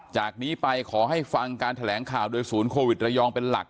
จากนี้ไปขอให้ฟังการแถลงข่าวโดยศูนย์โควิดระยองเป็นหลัก